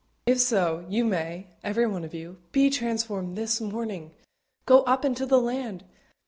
If so, you may, everyone of you, be transformed this morning go up into the land.